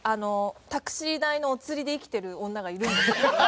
タクシー代のお釣りで生きてる女がいるんです。